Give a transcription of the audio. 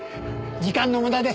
時間の無駄です。